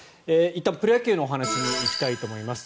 いったんプロ野球のお話に行きたいと思います。